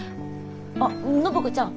あっ暢子ちゃん。